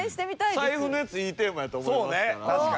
財布のやついいテーマやと思いますから。